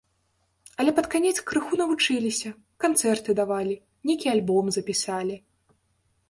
Але пад канец крыху навучыліся, канцэрты давалі, нейкі альбом запісалі.